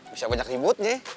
bisa banyak ributnya